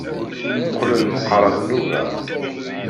Qqlen mqaraben ugar.